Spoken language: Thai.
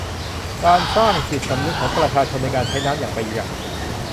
และสร้างจิตสำนึกของประชาชนในการใช้น้ำอย่างประหยัด